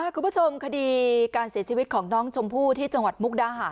คุณผู้ชมคดีการเสียชีวิตของน้องชมพู่ที่จังหวัดมุกดาหาร